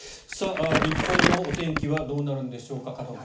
日本のお天気はどうなるんでしょうか。